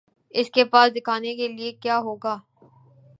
اس کے پاس دکھانے کے لیے کیا ہو گا؟